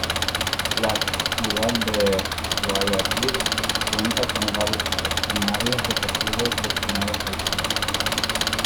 La ciudad de Guayaquil cuenta con varios escenarios deportivos destinados al fútbol.